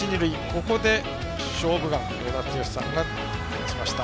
ここで「勝負眼」を与田剛さんが出しました。